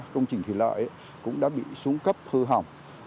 công trình thủy lợi cũng đã bị xuống cấp hư hỏng